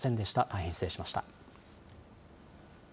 大変失礼しました。